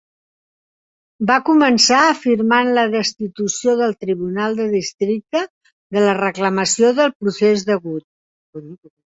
Va començar afirmant la destitució del Tribunal de Districte de la reclamació del procés degut.